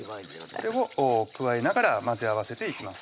これを加えながら混ぜ合わせていきます